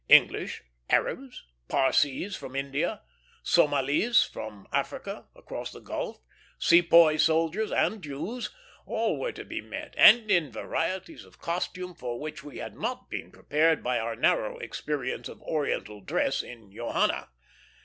English, Arabs, Parsees from India, Somâlese from Africa, across the gulf, sepoy soldiers, and Jews, all were to be met; and in varieties of costume for which we had not been prepared by our narrow experience of Oriental dress in Johanna.